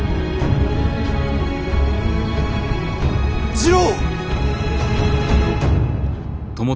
次郎！